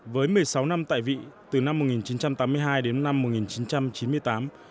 với một mươi sáu năm tại vị từ năm một nghìn chín trăm tám mươi hai đến năm một nghìn chín trăm chín mươi tám